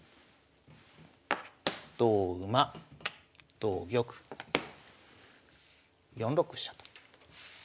同馬同玉４六飛車と。